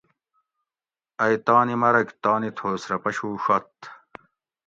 ائی تانی مرگ تانی تھوس رہ پشوڛت